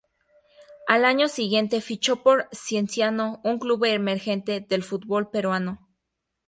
Al año siguiente fichó por Cienciano, un club emergente del fútbol peruano.